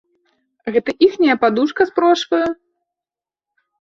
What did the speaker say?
Гэта іхняя падушка з прошваю?